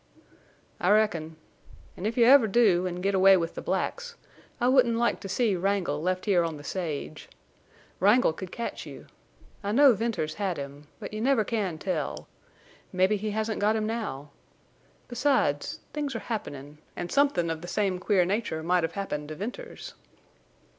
"I reckon. An' if you ever do an' get away with the blacks I wouldn't like to see Wrangle left here on the sage. Wrangle could catch you. I know Venters had him. But you can never tell. Mebbe he hasn't got him now.... Besides—things are happenin', an' somethin' of the same queer nature might have happened to Venters."